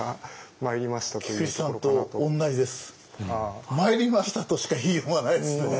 まいりましたとしか言いようがないですね。